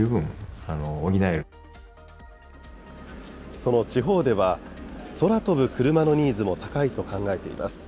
その地方では、空飛ぶクルマのニーズも高いと考えています。